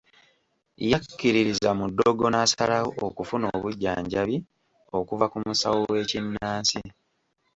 Yakkiririza mu ddogo n'asalawo okufuna obujjanjabi okuva ku musawo w'ekinnansi.